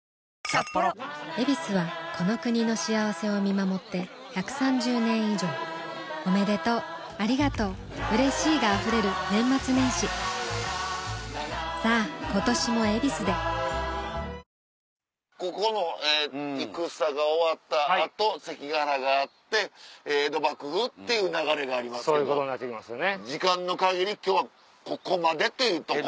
「ヱビス」はこの国の幸せを見守って１３０年以上おめでとうありがとううれしいが溢れる年末年始さあ今年も「ヱビス」でここの戦が終わった後関ヶ原があって江戸幕府っていう流れがありますけど時間の限り今日はここまでというところ。